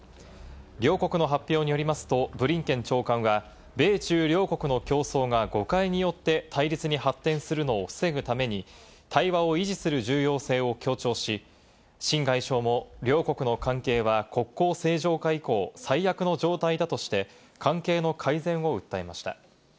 両国の発表によりますと、ブリンケン長官は米中両国の競争が誤解によって対立に発展するのを防ぐために対話を維持する重要性を強調し、シン外相も両国の関係は国交正常化以降、最悪の状態だとして、関係の改善を訴えました。